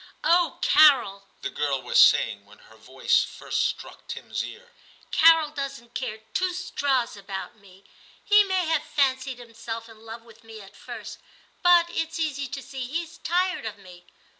' Oh, Carol !' the girl was saying, when her voice first struck Tim's ear. ' Carol doesn't care two straws about me ; he may have fancied himself in love with me at first, but it s easy to see he's tired of me.